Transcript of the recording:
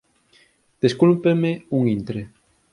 Descúlpenme un intre.